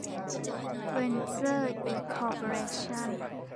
เวนเจอร์ อินคอร์ปอเรชั่น